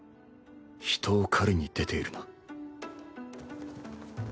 人を狩りに出ているな